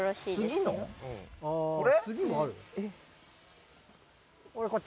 これ？